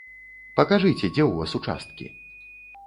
Пакажыце, дзе ў вас участкі.